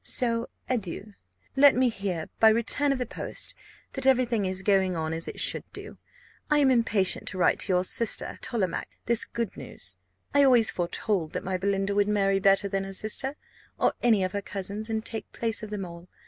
So adieu! Let me hear, by return of the post, that every thing is going on as it should do. I am impatient to write to your sister Tollemache this good news. I always foretold that my Belinda would marry better than her sister, or any of her cousins, and take place of them all.